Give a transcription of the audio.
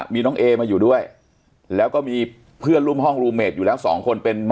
มีน้องเอมาอยู่ด้วยแล้วก็มีเพื่อนร่วมห้องรูเมดอยู่แล้วสองคนเป็น